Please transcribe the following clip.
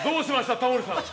タモリさん。